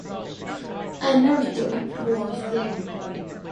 I nursed her, poor thing!